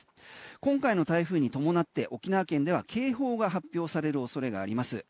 今回の台風に伴って沖縄県では警報が発表される恐れがあります。